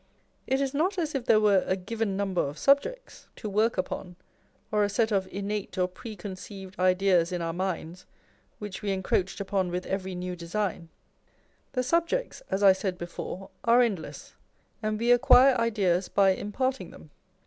It is not as if there were a given number of subjects to work upon, or a set of innate or preconceived ideas in our minds which we encroached upon with every new design ; the subjects, as I said before, are endless, and we acquire ideas by imparting them.